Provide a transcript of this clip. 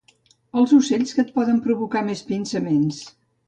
Els ocells que et poden provocar més pinçaments.